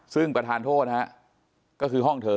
ซึ่งประธานโทษฮะก็คือห้องเธอ